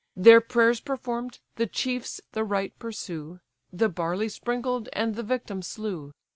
Their prayers perform'd the chiefs the rite pursue, The barley sprinkled, and the victim slew.